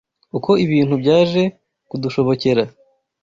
Uko ibintu byaje kudushobokera